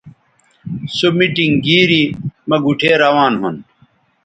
سو میٹنگ گیری مہ گوٹھے روان ھُون